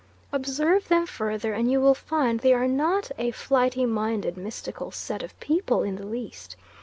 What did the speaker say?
Observe them further and you will find they are not a flighty minded, mystical set of people in the least.